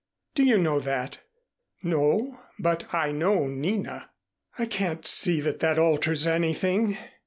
"Do you know that?" "No, but I know Nina." "I can't see that that alters anything."